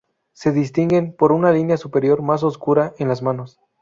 Se distinguen por una línea superior más oscura en las manos.